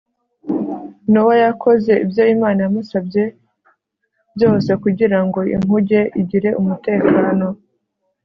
nowa yakoze ibyo imana yamusabye byose kugira ngo inkuge igire umutekano